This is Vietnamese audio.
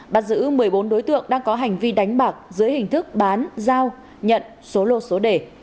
bắt giữ một mươi bốn đối tượng đang có hành vi đánh bạc dưới hình thức bán giao nhận số lô số đề